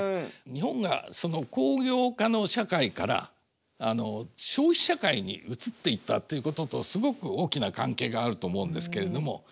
日本がその工業化の社会から消費社会に移っていったということとすごく大きな関係があると思うんですけれども。